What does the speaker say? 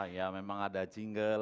ya memang ada jingel